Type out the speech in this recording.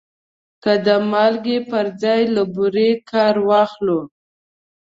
که د مالګې پر ځای له بورې کار واخلو.